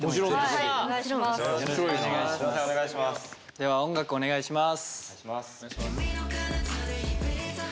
では音楽お願いします。